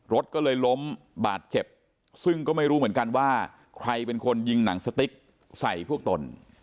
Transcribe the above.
รถก็เลยล้มบาดเจ็บซึ่งก็ไม่รู้เหมือนกันว่าใครเป็นคนยิงหนังสติ๊กใส่พวกตน